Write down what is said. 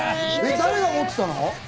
誰が持ってたの？